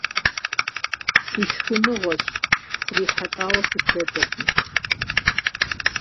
- Си шхыныгъуэщ: срихьэлӏауэ сыблэкӏыркъым.